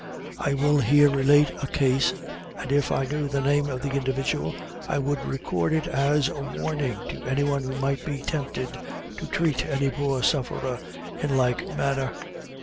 I will here relate a case, and if I knew the name of the individual I would record it as a Warning to any one who might be tempted to treat any poor sufferer in like manner.